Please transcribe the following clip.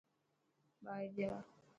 ٻاهر جا.